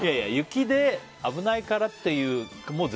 雪で危ないからっていう。